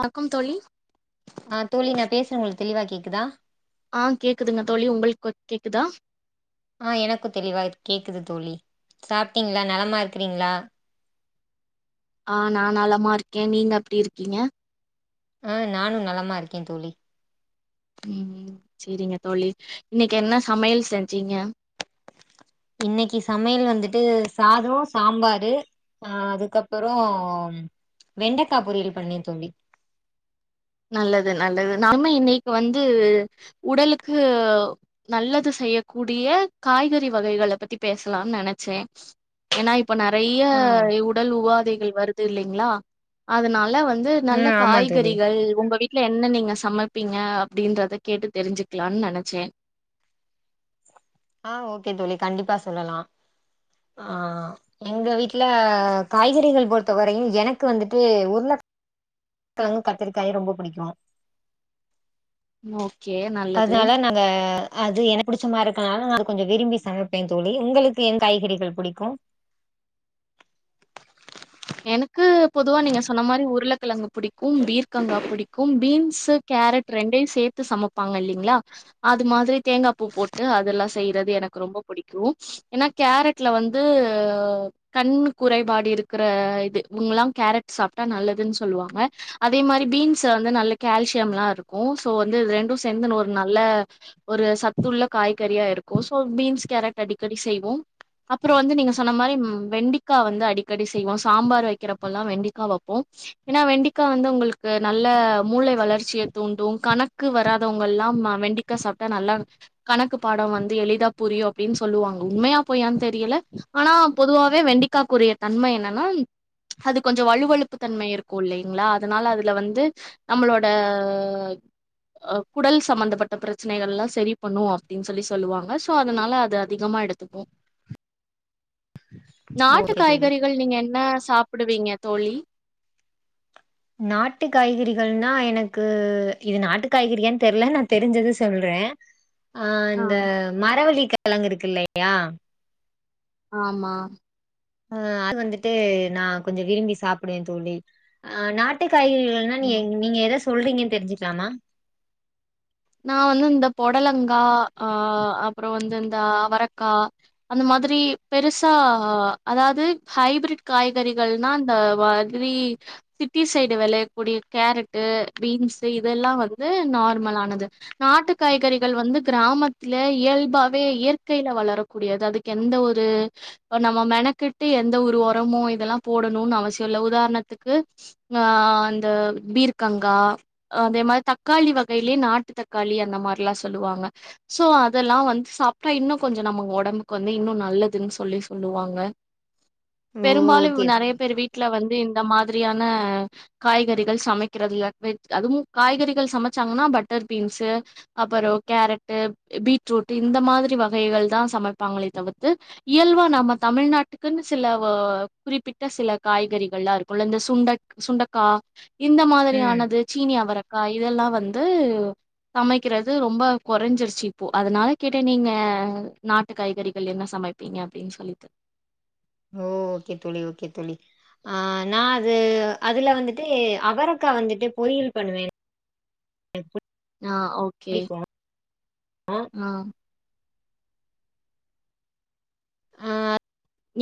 ஆ க்கும் தோழி ஆ தோழி நா பேசுர உங்களுக்கு தெளிவா கேக்குதா ஆ கேக்குதுங்க தோழி உங்களுக்கு கேக்குதா ஆ எனக்கு தெளிவா கேக்குது தோழி சாப்பிட்டீங்களா நலமா இருக்கிறீங்களா ஆ நா நலமா இருக்க நீங்க எப்டி இருக்கீங்க ஆ நானோ நலமா இருக்க தோழி ம் ம் செரிங்க தோழி இன்னைக்கி என்ன சமையல் செஞ்சீங்க இன்னைகி சமையல் வந்துட்டு சாதோ சாம்பாரு ஆ அதுக்கப்புறோ வெண்டக்கா பொரியல் பண்ணே தோழி நல்லது நல்லது நாம இன்னைக்கு வந்து உடலுக்கு நல்லது செய்யக்கூடிய காய்கறி வகைகளை பத்தி பேசலானு நெனைச்சே ஏன்னா இ ப்ப நெறைய ஆ உடல் உபாதைகள் வருது இல்லைங்களா அதனால வந் ந்து நல்ல ம் ஆமா தோழி காய்கறிகள் உங்க வீட்டுல என்ன நீங்க சமைப்பீங்க அப்டின்றத கேட்டு தெரிஞ்சுக்கலானு நெனைச்சே ஆ ஓகே தோழி கண்டிப்பா சொல்லலா ஆ எங்க வீட்டுல காய்கறிகள் பொறுத்தவரையு எனக்கு வந்துட்டு உருள க்கொழங்கு கத்திரிக்காயு ரொம்ப புடிக்கு ஓக்கே நல்லது த அது எனக்கு பிடிச்சமாரி இருக்கனால நா கொஞ்சோ விரும்பி சமைப்பே தோழி உங்களுக்கு என் காய்கறிகள் புடிக்கு எனக்கு பொதுவா நீங்க சொன்ன மாரி உருளைக்கிழங்கு புடிக்கும் பீர்க்கங்கா புடிக்கும் பீன்ஸ் கேரட் ரெண்டையு சேத்து சமைப்பாங்க இல்லீங்களா அது மாதிரி தேங்காய் பூ போட்டு அதெல்லா செய்யறது எனக்கு ரொம்ப புடிக்கு ஏனா கேரட்ல வந்து கண் குறைபாடு இருக் கர இது இவங்கெல்லா கேரட் சாப்பிட்டா நல்லதுன்னு சொல்லுவாங்க அதே மாரி பீன்ஸ் வந்து நல்ல கோல்சியம்லா இருக்கு சோ வந்து ரெண்டோ சேந்துன்னு ஒரு நல்ல ஒரு சத்துள்ள காய்கறியா இருக்கு சோ பீன்ஸ் கேரட் அடிக்கடி செய்வோ அப்புறோ வந்து நீங்க சொன்ன மாரி வெண்டிக்கா வந்து அடிக் கடி செய்வோ சாம்பார் வெக்கிறப்பல்லா வெண்டிக்கா வப்போ ஏன்னா வெண்டிக்கா வந்து உங்களுக்கு நல்ல மூளை வளர்ச்சியை தூண்டு கணக்கு வராதவங்கல்லா வெண்டிக் க்கா சாப்பிட்டா நல்லா கணக்கு பாடோ வந்து எளிதா புரியு அப்டின்னு சொல்லுவாங்க உண்மையா போயான்னு தெரியல ஆனா பொதுவாவே வெண்டிக்காக்குரிய தன்மை என்னன்னா அது கொஞ்ச வலுவலுப்பு தன்மை இருக்கோ இல்லீங்களா அதனால அதுல வந்து நம்மளோட அ குடல் சம்பந்தப்பட்ட பிரச்சனைகள் எல்லா சரி பண்ணோ அப்டின்னு சொல்லி சொல்லுவாங்க சோ அதனால அது அதிகமா எடுத் துக்குவோ நாட்டுக் ஓகே தோழி ங்கள் நீங்க என்ன சாப்பிடுவீங்க தோழி நாட்டு காய்கறிகள்னா எனக்கு இது நாட்டு காய்கறியானனு தெரியல நா தெரிஞ்சது சொல்ற ஆ இந்த மரவல்லி கெழங்கு இருக்கு இல்லையா ஆமா ஆ அது வந்துட்டு நா கொஞ்சோ விரும்பி சாப்பிடுவே தோழி ஆ நாட்டு காய்கறிகள் ன நீ ம் நீங்க ஏதா சொல்றீங்குனு தெரிஞ்சிக்கலாமா நா வந்து இந்த பொடலங்கா ஆ அப்புறோ வந்து இந்த அவரக்கா அந்த மாதிரி பெருசா அதாவது ஹைபரிட் காய்கறிகள்னா இந்த வ ரி சிட்டி சைடு வெளையக்கூடிய கேரட்டு பீன்ஸு இதெல்லா வந்து நார்மலானது நாட்டு காய்கறிகள் வந்து கிராமத்துல இயல்பாவே இயற்கையில வளரு கூடியது அதுக்கு எந்த ஒரு இப்ப நம்ம மெணக்கிட்டு எந்த ஒரு ஒரமு இதெல்லா போடணுனு அவசியோ இல்ல உதாரணத்துக்கு ஆ அந்த பீர்கர்கங்கா அதே மாரி தக்காளி வகையிலயே நாட் டுத் தக்காளி அந்த மாதிரிலா சொல்லுவாங்க சோ அதெல்லா வந்து சாப்பிட்டா இன்னு கொஞ்ச நம்மங்க ஒடம்புக்கு வந்து இன்னு நல்லதுன்னு சொல்லி சொல்லுவாங்க ஓ பெரும்பாலு ஓகே நெறைய தோழி பேர் வீட்டுல வந்து இந்த மாதிரியான காய்கறிகள் சமைக்கிறதுல அதுவு காய்கறிகள் சமைச்சாங்கன்னா பட்டர் பீன்ஸு அப்புறோ கேரட்டு பீட்ரூட் இந்த மாதிரி வகைகள் தா சமைப்பாங்களே தவித்து இயல்பா நாம தமிழ்நாட்டுக்குன்னு சில குறிப்பிட்ட சில காய்கறிகள்லா இருக்குல இந்த சுண்ட சுண்டக்கா இந்த ம் மாதிரியானது சீனி அவரக்கா இதெல்லா வந்து சமைக்கிறது ரொம்ப கொறைஞ்சிருச்சு இப்போ அதனால கேட்ட நீங்க நாட்டு காய்கறிகள் என்ன சமைப்பீங்க அப்டின்னு சொல்லிட்டு ஓ ஓகே தோழி ஓகே தோழி ஆ நா அது அதுல வந்துட்டு அவரக்கா வந்துட்டு பொரியல் பண்ணுவே ஆ ஓகே புடிக்கு ஆ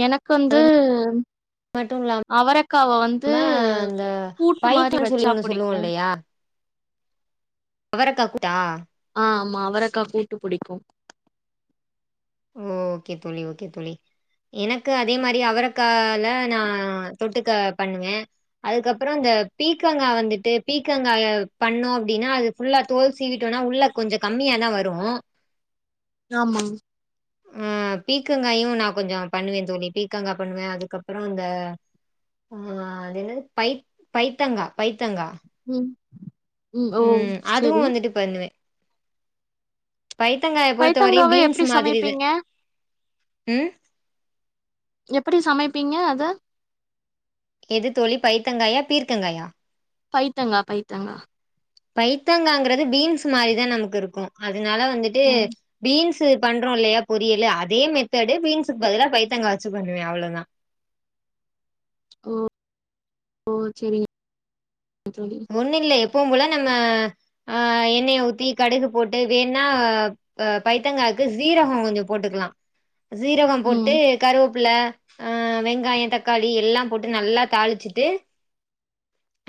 எனக்கு வந்து மட்டு இல்லாம அவரக்காவ வந்து நம்ம அந்த கூட்டு மாரி பைத்தான் சொல்லி வச்சா ஒண்ணு சொல்லுவோ புடிக்கு இல்லையா அவரக்கா கூட்டா ஆமா அவரைக்கா கூட்டு புடிக்கு ஓகே தோழி ஓகே தோழி எனக்கு அதே மாரி அவரக்கால நா தொட்டுக்க பண்ணுவே அதுக்கப்பறோ இந்த பீக்கங்கா வந்துட்டு பீக்கங்காய பண்ணோ அப்டினா அது ஃபுல்லா தோல் சிவிட்டோனா உள்ள கொஞ்சோ கம்மியாதா வரு ஆமா ஆ பீக்கங்காயு நா கொஞ்சோ பண்ணுவே தோழி பீக்கங்கா பண்ணுவே அதுக்கப்றோ இந்த ஆ அது என்னது பை பைத்தங்கா பைத்தங்கா ம் ம் அதுவு செரி வந்துட்டு பண்ணுவே பைத்தங்காய பொறுத்த வரையு பைத்தங்காவ பீன்ஸ் எப்டி மாதிரிது சமைப்பீங்க ம் எப்டி சமைப்பீங்க அத எது தோழி பைத்தங்காயா? பீர்க்கங்காயா? பைத்தங்கா பைத்தங்கா பைத்தங்காங்கறது பீன்ஸ் மாரிதா நமக்கு இருக்கு அதனால வந்துட்டு ம் பீன்ஸ் பண்றோ இல்லையா பொரியலு, அதே மெத்தடு பீன்ஸுக்கு பதிலா பைத்தங்கா வச்சு பண்ணுவ அவ்வளதா ஓ ஓ சேரிங்க தோழி ஒண்ணு இல்ல எப்பவு போல நம்ம ஆ எண்ணெய ஊத்தி கடுகு போட்டு வேணா அ பைத்தங்காக்கு சீரகோ கொஞ்சோ போட்டுக்கலா சீரகம் ம் போட்டு கருவேப்பில அ வெங்காய தக்காளி எல்லா போட்டு நல்லா தாளிச்சிட்டு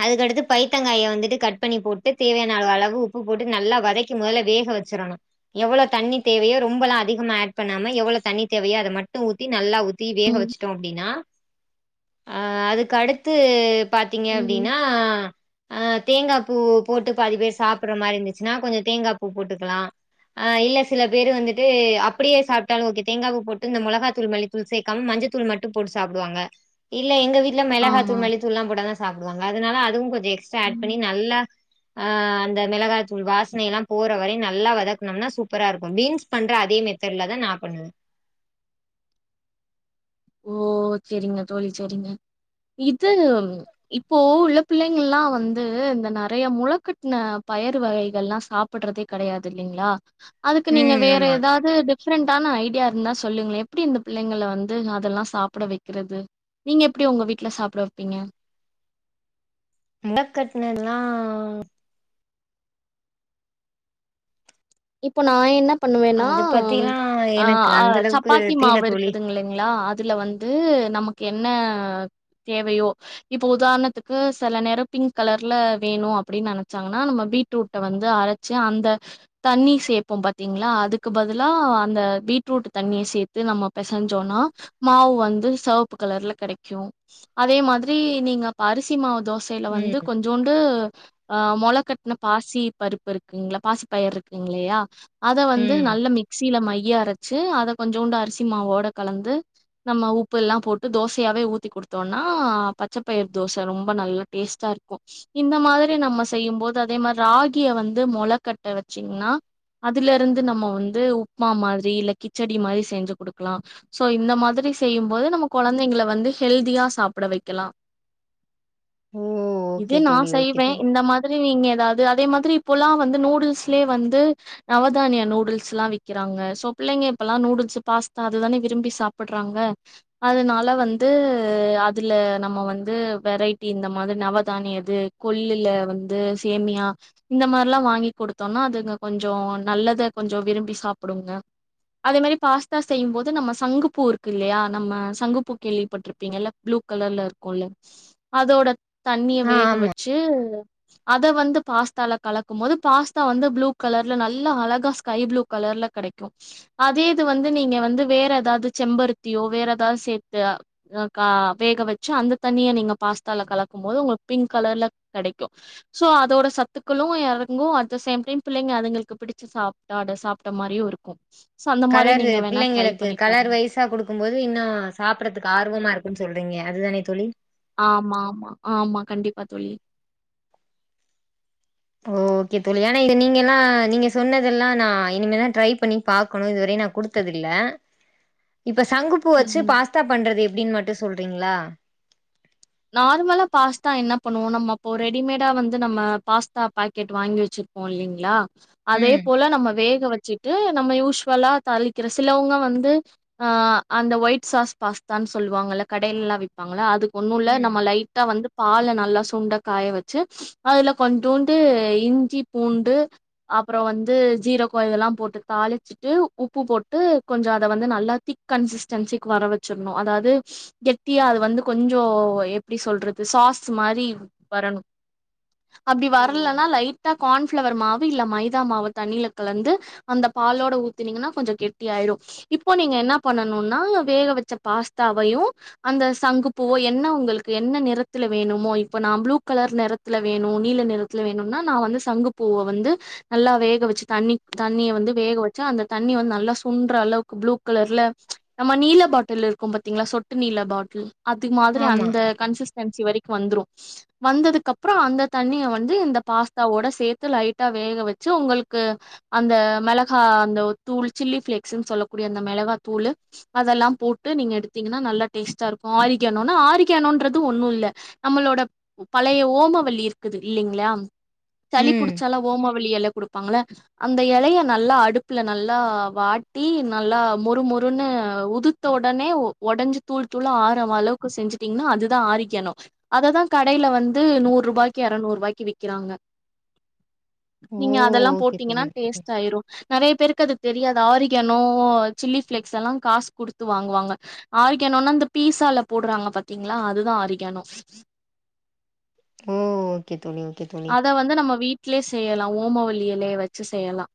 அதுக்கடுத்து பைத்தங்காய வந்துட்டு கட் பண்ணி போட்டு தேவையான அளவு அளவு உப்பு போட்டு நல்லா வதக்கி மொதல்ல வேக வச்சிடணு எவ்வளோ தண்ணி தேவயோ ரொம்பல்லா அதிகமா ஆட் பண்ணாம எவ்ளோ தண்ணி தேவையோ அத மட்டு ஊத்தி நல்லா ஊ தீ வேக ம் வச்சுட்டோ அப்டின்னா அ அதுக்கடுத்து பாத்தீங்க ம் அ தேங்காப்பூ போட்டு பாதி பேர் சாப்புட்ற மாரி இருந்துச்சுன்னா கொஞ்சோ தேங்காப்பூ போட்டுக்கலா ஆ இல்ல சில பேரு வந்துட்டு அப்படியே சாப்பிட்டாலு ஓகே, தேங்காப்பூ போட்டு இந்த மொளகாத்தூள் மல்லி தூள் சேக்காம மஞ்சள் தூள் மட்டு போட்டு சாப்டுவாங்க இல்ல எங்க வீட் ல மெளகா ஆமா தூள் மல்லி தூள்லா போட்டாதா சாப்டுவாங்க அதுனால அதுவு கொஞ்சோ எக்ஸ்டா ஆட் ம். பண்ணி நல்லா ஆ, அந்த மெளகாதூள் வாசன எல்லா போற வரையு நல்லா வதக்னம்னா சூப்பரா இருக்கு, பீன்ஸ் பண்ற அதே மெத்தேட்லதா நா பண்ணுவ ஓ சேரிங்க தோழி சேரிங்க இது இப்போ உள்ள பிள்ளைங்கல்லா வந்து இந்த நெறைய மொலக்கட்ன பயர் வகைகள்ல்லா சாப் பட்றதே கடையாது இல்லிங்களா அதுக்கு நீங்க ம் வேற ஆமா ஏதாது டிஃப்ரெண்டான ஐடியா இருந்தா சொல்லுங்ள எப்டி இந்த பிள்ளைங்கள வந்து இதெல்லா சாப்புட வைக்கிறது நீங்க எப்டி உங்க வீட்ல சாப்ட வைப்பீங்க மொளக்கட்னன்னா இப்போ நா என்ன பண்ணுவேனா அது பத்திலா ஆ எனக்கு ஆ அந்த அளவுக்கு சப்பாத்தி தெரில மாவு தோழி இருக்குதுங் இல்லைங்ளா அதுல வந் து நமக்கு என்ன தேவையோ இப்ப உதாரணத்துக்கு செல நேரம் பிங்க் கலர்ல வேணு அப்டின்னு நெனைச்சாங்கன்னா நம்ம பீட் ரூட்ட வந்து அரைச்சு அந்த தண்ணி சேப்போம் பாத்தீங்ளா அதுக்கு பதிலா அந்த பீட்ரூட் தண்ணிய சேத்து நம்ம பெசைஞ்சோனா மாவ் வந்து செவ்ப்பு கலர்ல கெடக்யு அதே மாத்ரி நீங்கப் அரிசி மாவு தோஸ் கைல ம் வந்து கொஞ்சோண்டு அ மொள கட்ன பாசீ பருப்பு இருக்குங்ள பாசி பயர்ரு இங்ளேயா அத வந்து ம் நல்ல மிக்சில மையா அரச்சு அத கொஞ்சோண்டு அரிசி மாவோட கலந்து நம்ம உப்புல்லா போட்டு தோசையாவே ஊத்தி குடுத்தோனா பச்சப்பயிர் தோச ரொம்ப நல்ல டேஸ்டார்க்கு இந்த மாதிரி நம்ம செய்யும்போது அதே மார் ராகிய வந்து மொளகட்ட வ ச்சிங்னா அதுலருந்து நம்ம வந்து உப்மா மாத்ரி இல்ல கிச்சடி மாரி செஞ்சு குடுக்லாம் சோ இந்த மாத்ரி செய்யும் போது நம்ம கொழந்தைங்ள வந்து ஹெல்தியா சாப்ட வெக்கலா ஓ இது ஓகே நா தோழி ஓகே செய்வே தோழி இந்த மாத் ரி நீங்க ஏதாது அதே மாத்ரி இப்பொல்லா வந்து நூடுல்ஸ்லே வந்து நவதானியா நூடுல்ஸ்லா விக்கிறாங்க சோ பிள்ளைங்க இப்பல்லா நூடுல்ஸு பாஸ்தா அதுதானே விரும்பி சாப்புட்றாங்க அதனால வந்து அதுல நம்ம வந்து வெரைட்டி இந்த மாதி நவதானியது கொல்லுல வந்து சேமியா இந்த மார்லா வாங்கி கொடு த்தோனா அதுங்க கொஞ்சோ நல்லத கொஞ்சோ விரும்பி சாப்டுங்க அதே மாரி பாஸ்த்தா செய்யும்போது நம்ம சங்குப்பூ இருக்கு இல்லையா நம்ம சங்குப்பூ கேள்விப்பட்ருப்பீங்கல்ல ப்ளூ கலர்ல இருக்குல்ல அதோடட் தண்ணிய ஆ வேக ஆமா வச்சு அத வந்து பாஸ்த்தால கலக்கும் போது பாஸ் தா வந்து ப்ளூ கலர்ல நல்லா அழகா ஸ்கை ப்ளூ கலர்ல கடைக்கு அதேது வந்து நீங்க வந்து வேற ஏதாது ச்செம்பருத்தியோ வேற ஏதா சேத்தா ஆ கா வேகவச்சு அந்த தண்ணிய நீங்க பாஸ்த்தால கலக்கும் போது உங்ளுக் பிங்க் கலர்ல கடைக்கு சோ அதோட சத்துக்களு எரங்கு அட் த சேம் டைம் பிள்ளைங்க அதுங்ளுக்கு பிடிச்சு சாப்பாட சாப்ட்ட மாரியு இருக்கு சோ அந்த மாரி நீங்க வேன்ணா ட்ரை பண்ணி பாருங் சா குடுக்கும் போது இன்னு சாப்றதுக்கு ஆர்வமா இருக்குன் சொல்றீங்க அதுதானே தோழி ஆமா ஆமா ஆமா கண்டிப்பா தோழி ஓ ஓகே தோழி ஏனா இது நீங்கெல்லா நீங்கெ சொன்னதெல்லா நா இனிமேதா ட்ரை பண்ணி பாக்குணு இதுவரையு நா குடுத் ட்டதில்ல இப்ப சங்குப்பூ வச்சு ம் பாஸ்தா பண்றது எப்டின் மட்டு சொல்றீங்ளா நார்மலா பாஸ்த்தா என்னா பண்ணுவோ நம்மப்போ ரெடிமேடா வந்து நம்ம பாஸ்த்தா பாக்கெட் வாங்கி வச்சி போலிங்ளா அதே ம் போல நம்ம வேக வச்சி ட்டு நம்ம யூஷ்வலா தாளிக்கிற சிலவுங்க வந்து ஆ அந்த ஒய்ட் சாஸ் பாஸ்தான் சொல்லுவாங்கல்ல கடைய்ல்லா விப்பாங்கள்ள அதுக் ஒ ன்னுல்ல ம் நம்ம லைட்டா வந்துப் பால நல்லா சுண்ட காய வச்சு அதுல கொன்டூண்டு இஞ்சி பூண்டு அப்றோ வந்து ஜீரகோ இதல்லா போட்டு தாளிச் டுட்டுட்டு உப்பு போட்டு கொஞ்சோ அத வந்து நல்லா திக் கன்சிஸ்டன்சிக் வர வச்சுர்னு அதாவ்து கெட்டியா அது வந்து கொஞ்சோ எப்டி சொல்றது சாஸ் மாரி வரணு அப்டி ஓ வர்லனா லைட்டா கான்ஃபளவர் மாவு இல்ல மைதா மாவக் தண்ணில கலந்து அந்த பாலோட ஊத்துனீங்கன்னா கொஞ்சோ கெட்டி ஆய்டு இப்போ நீங்க என்னா பண்ணனுனா வேக வச்ச பாஸ்த்தாவையு அந்த சங்குப் பூவோ என்ன உங்கள்க்கு என்ன நிறத்துல வேணுமோ இப்போ நா புளூ கலர் நெறத்ல வேணு நீல நிறு த்ல வேணுனா நா வந்து சங்குப்பூவ வந்து நல்லா வேக வச்சு தண்ணி தண்ணிய வந்து வேக வச்சா அந்த தண்ணி வந்து நல்லா சுன்ட்ற அளவ்க்கு ப்ளூ கலர்ல நம்ம நீல பாட்டில் இருக்கும் பாத்தீங்ளா சொட்டு நீல பாட்டுல் அது மாதிரி ஆமா அந்த கன்சிஸ் கன்ஸி வரைக் வந்துரு வந்ததுக் அப்றோ அந்த தண்ணிய வந்து இந்த பாஸ்த்தாவோட சேத்து லைட்டா வேக வச்சு உங்களுக்கு அந்த மெளகா அந்த ஒரு தூள் சில்லி பிளேக்ஸ்ன்னு சொல்லக்கூடிய அந்த மெளகா தூளு அதெல்லா போட்டு நீங்க எடுத்தீங்கன்னா நல்லா டேஸ்டா இருக் ஆரிகணோனா ஆரிக்கணோன்றது ஒண்ணு இல்ல நம்மளோடப் பழைய ஓமவல்லி இருக்குது இல்லைங்ளா சளி ம் புடிச்சாலு ஓமவல்லி எல குடுக் ப்பாங்கள அந்த எலைய நல்லா அடுப்புல நல்லா வாட்டி நல்லா மொறுமொறுன்னு உதுத் த்த ஒடனே ஒடஞ்சு தூள் தூளா ஆரம் அளவுக்கு செஞ்சுட்டீங்கன்னா அதுதா ஆரிக்கியானோ அததா கடையில வந்து நூறு ரூபாய்க்கு எறநூரூவாய்க்கு விக்கிறாங்க ஓ நீங்க அதெல்லா ஓகே போட்டீங்கன்னா தோழி ஓகே தோழி. டேஸ்ட் ஆயிரு நெறைய பேருக்கு அது தெரியாது ஆரிகனோ சில்லி பிளேக்ஸெல்லா காஸ் குடுத்து வாங்குவாங்க ஆரிகனோனா இந்த பீஸால போடுறாங்க பாத்தீங்களா அதுதா ஆரிகனோ ஓ ஓ கே தோழி ஓகே தோழி அத வந்து நம்ம வீட்லேயே செய்யலா ஓமவல்லி எலைய வச்சு செய்யலா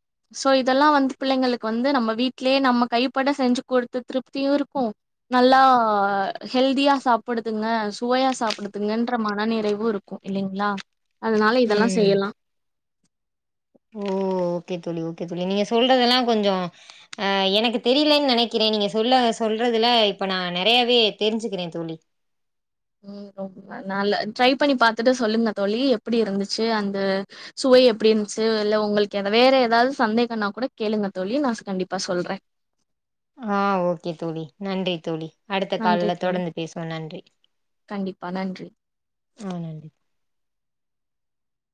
சோ இதெல்லா வந்து பிள்ளைங்களுக்கு வந்து நம்ம வீட்லேயே நம்ம கைப்பட செஞ்சு கொடுத்த திருப்தியு இருக்கு நல்லா ஹெல்தியா சாப்புடுதுங்க சுவையா சாப்புடுதுங்கன்ற மன நிறைவு இருக் கு இல்லைங்ளா அதுனால இதெல்லா ம் செய்யலா ஓ ஓகே தோழி ஓகே தோழி நீங்க சொல்றதெல்லா கொஞ்சோ ஆ எனக்கு தெரியலைன் நெனக்கிறே நீங்க சொல்ல சொல்றதுல இப்ப நா நெறையாவே தெரிஞ்சுக்குறே தோழி ம் ரொம்ப நால ட்ரை பண்ணி பாத்துட்டு சொல்லுங்க தோழி எப்டி இருந்துச்சு அந்த சுவை எப்டி இருந்துச்சு இல்ல உங்களுக்கு எதா வேற எதாவது சந்தேகன்னா கூட கேளுங்க தோழி நான் கண்டிப்பா சொல்றே ஆ ஓகே தோழி நன்றி தோழி அடுத்த நன்றி கால்ல தோழி தொடர்ந்து பேசுவோ நன்றி கண்டிப்பா நன்றி ஆ நன்றி